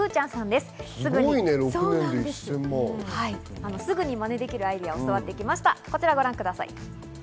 すぐに真似できるアイデアを教わってきました。